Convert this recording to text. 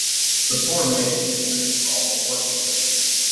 The poor emaciated creatures all but worshipped him.